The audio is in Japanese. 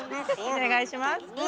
お願いしますよ